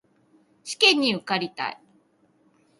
試験に受かりたい